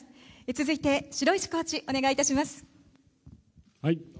続いて、城石コーチお願いいたします。